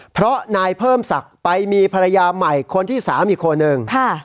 เพราะนายเพิ่มศักดิ์ไปมีภรรยาใหม่คนที่๓อีกคนหนึ่ง